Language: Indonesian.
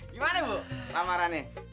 gimana bu lamarannya